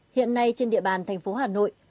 hiện nay trên địa bàn thành phố hà nội